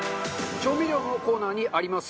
調味料のコーナーにあります。